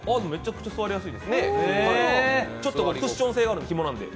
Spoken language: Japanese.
ちょんょとクッション性があるんで、ひもなんで。